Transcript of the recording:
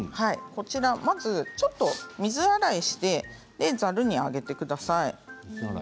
まず、水洗いをしてざるに上げてください。